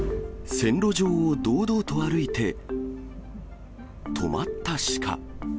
線路上を堂々と歩いて、止まった鹿。